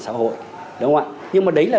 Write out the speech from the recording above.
xã hội đúng không ạ nhưng mà đấy là